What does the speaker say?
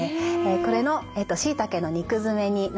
これのしいたけの肉詰めになります。